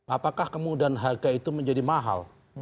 apakah kemudian harga itu menjadi mahal